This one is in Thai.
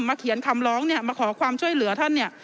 เขียนคำร้องเนี่ยมาขอความช่วยเหลือท่านเนี่ย